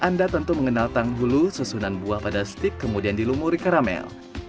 anda tentu mengenal tang hulu sesunan buah pada stick kemudian dilumuri karamel